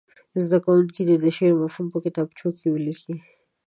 زده کوونکي دې د شعر مفهوم په کتابچو کې ولیکي.